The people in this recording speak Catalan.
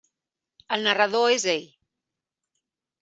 El narrador és ell.